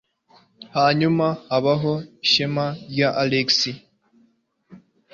Hanyuma habaho ishema rya Alex.